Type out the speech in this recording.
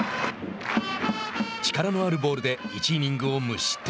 力のあるボールで１イニングを無失点。